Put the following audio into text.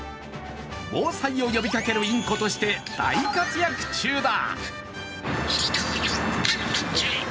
防災を呼びかけるインコとして大活躍中だ。